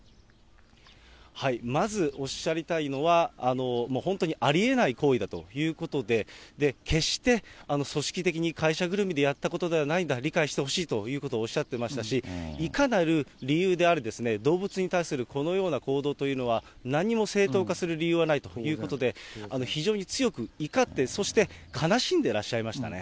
まずおっしゃりたいのは、本当にありえない行為だということで、決して組織的に、会社ぐるみでやったことではないんだ、理解してほしいということをおっしゃってましたし、いかなる理由であれ、動物に対するこのような行動というのは、なんにも正当化する理由がないということで、非常に強くいかって、そして悲しんでらっしゃいましたね。